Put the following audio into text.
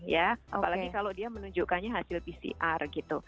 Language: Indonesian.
ya apalagi kalau dia menunjukkannya hasil pcr gitu